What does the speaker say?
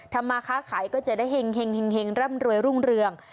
มาค้าขายก็จะได้เห็งร่ำรวยรุ่งเรือง